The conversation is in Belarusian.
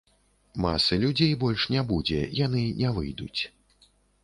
Масы людзей больш не будзе, яны не выйдуць.